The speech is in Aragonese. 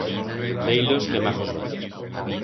Vei-los que majos van.